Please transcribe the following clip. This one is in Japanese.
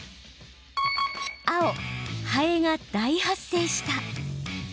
青・ハエが大発生した。